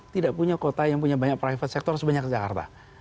tidak punya kota yang punya banyak private sector sebanyak jakarta